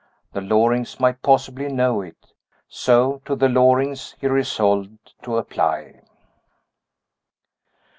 The Lorings might possibly know it so to the Lorings he resolved to apply.